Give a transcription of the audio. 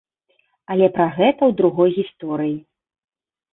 Але пра гэта ў другой гісторыі.